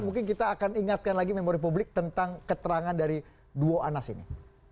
mungkin kita akan ingatkan lagi memori publik tentang keterangan dari duo anas ini